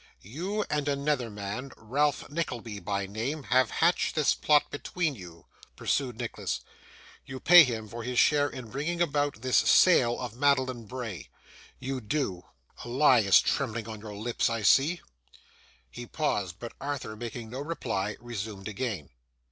'You and another man, Ralph Nickleby by name, have hatched this plot between you,' pursued Nicholas. 'You pay him for his share in bringing about this sale of Madeline Bray. You do. A lie is trembling on your lips, I see.' He paused; but, Arthur making no reply, resumed again.